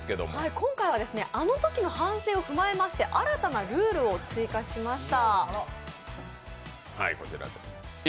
今回はあのときの反省を踏まえまして新たなルールを追加しました。